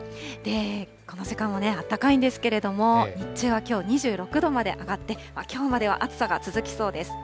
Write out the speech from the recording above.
この時間もね、あったかいんですけれども、日中はきょう２６度まで上がって、きょうまでは暑さが続きそうです。